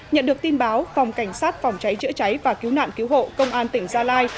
nhận được tin báo phòng cảnh sát phòng cháy chữa cháy và cứu nạn cứu hộ công an tỉnh gia lai